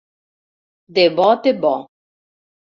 De bo de bo.